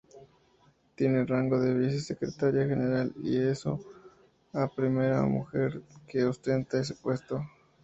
Tiene rango de vice-secretaria general y esl a primera mujer que ostenta este puesto.